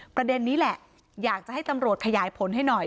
ประเด็นนี้แหละอยากจะให้ตำรวจขยายผลให้หน่อย